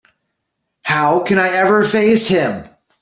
How can I ever face him?